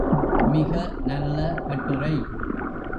மிக நல்ல கட்டுரை.